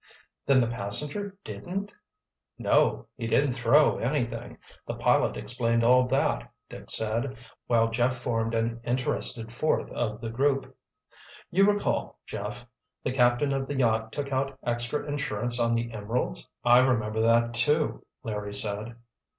"Then the passenger didn't——" "No. He didn't throw anything. The pilot explained all that," Dick said, while Jeff formed an interested fourth of the group. "You recall, Jeff, the captain of the yacht took out extra insurance on the emeralds?" "I remember that, too," Larry said.